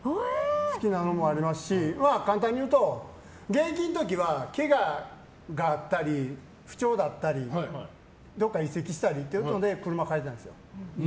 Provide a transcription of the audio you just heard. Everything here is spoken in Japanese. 好きなのもありますし簡単に言うと現役の時はけががあったり不調だったりどこか移籍したりで車を替えてたんですよ。